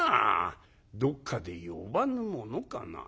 どっかで呼ばぬものかな」。